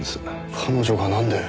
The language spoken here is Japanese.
彼女がなんで。